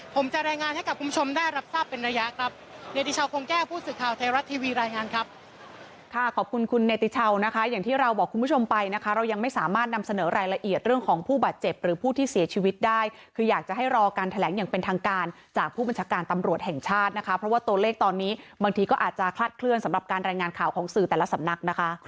ผมจะแรงงานให้กับคุณผู้ชมได้รับทราบเป็นระยะกับเนติเชาคงแก้ผู้สื่อข่าวไทยรัฐทีวีรายงานครับ